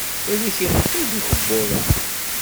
Ad k-iqidd ukebbuḍ-a.